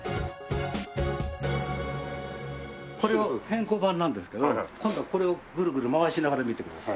これは偏光板なんですけど今度はこれをぐるぐる回しながら見てください。